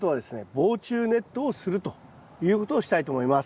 防虫ネットをするということをしたいと思います。